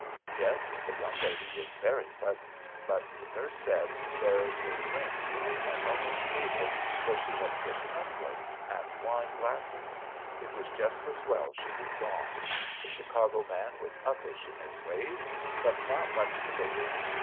Yes, the young lady was very pleasant, but the nurse said there were rings on the mahogany table where she had put tumblers and wine glasses. It was just as well she was gone. The Chicago man was uppish in his ways, but not much to look at.